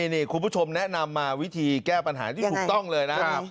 แนะนำมาวิธีแก้ปัญหาที่ถูกต้องเลยนะครับ